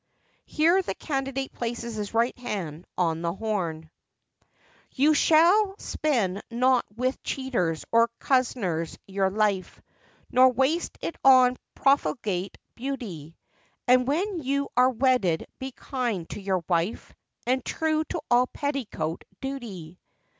Here the CANDIDATE places his right hand on the horn. You shall spend not with cheaters or cozeners your life, Nor waste it on profligate beauty; And when you are wedded be kind to your wife, And true to all petticoat duty.